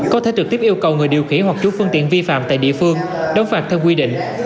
có thể trực tiếp yêu cầu người điều khiển hoặc chú phương tiện vi phạm tại địa phương đóng phạt theo quy định